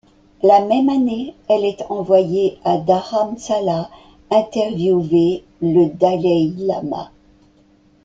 La même année, elle est envoyée à Dharamsala interviewer le Dalaï-lama.